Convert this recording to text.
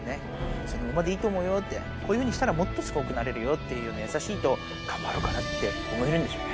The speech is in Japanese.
そのままでいいと思うよって、こういうふうにしたらもっとすごくなれるよっていうふうに優しいと、頑張ろうかなって、思えるんでしょうね。